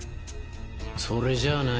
それじゃあない。